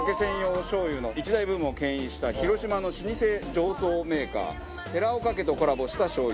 おしょう油の一大ブームを牽引した広島の老舗醸造メーカー寺岡家とコラボしたしょう油。